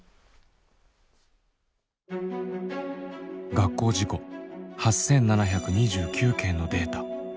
学校事故８，７２９件のデータ。